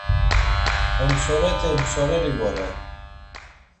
Ontsorete ntsoreri vore.